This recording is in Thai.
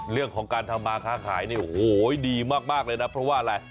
เรื่องของการทำมาค้าขายเนี่ยโอ้โหดีมากเลยนะเพราะว่าอะไร